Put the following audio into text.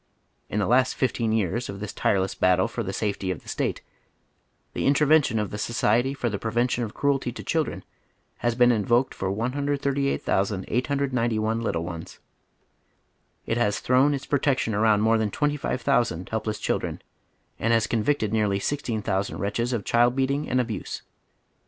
In the last fifteen years of this tireless battle for tlie safety of the State the intervention of the Society for the Prevention of Cruelty to Children has been in voked for 138,891 little ones ; it has thrown its protection around more than twenty five thousand helpless children, and has convicted nearly sixteen tliousaiid wretches of child beating and abuse.